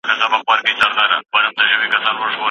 د روغتیا ملي اداره د سرطان ناروغانو درملنه کوي.